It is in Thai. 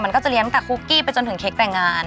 มันก็จะเลี้ยตั้งแต่คุกกี้ไปจนถึงเค้กแต่งงาน